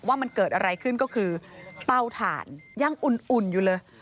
ว่ามันเกิดอะไรขึ้นก็คือเตาถ่านยังอุ่นอยู่เลย